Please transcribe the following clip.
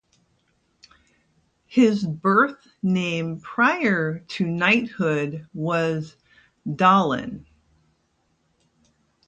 His birth name prior to knighthood was Dahlin.